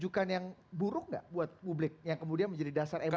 rujukan yang buruk gak buat publik yang kemudian menjadi dasar mui